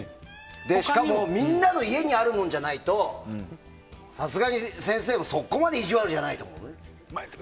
で、しかもみんなの家にあるものじゃないとさすがに先生もそこまで意地悪じゃないと思うよ。